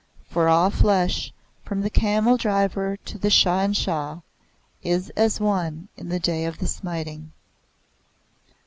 For all flesh, from the camel driver to the Shah in Shah, is as one in the Day of the Smiting.